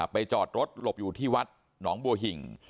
จอดรถหลบอยู่ที่วัดหนองบัวหิ่ง